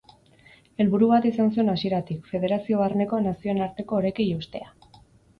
Helburu bat izan zuen hasieratik, federazio barneko nazioen arteko orekei eustea.